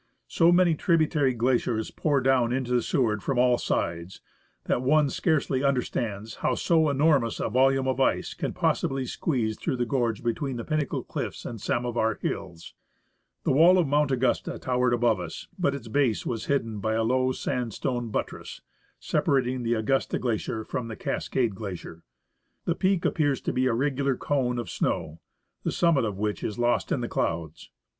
So many tributary glaciers pour down into the Seward from all sides, that one scarcely understands how so enormous a volume of ice can possibly squeeze through the gorge between the Pinnacle Cliffs and Samovar Hills. The wall of Mount Augusta towered above II?. I THE ASCENT OF MOUNT ST. ELIAS MOUNT AUCil'STA, I'ROM THE SEWARD. US, but its base was hidden by a low sandstone buttress separating the Augusta Glacier from the Cascade Glacier.^ The peak appears to be a regular cone of snow, the summit of which is lost in the clouds.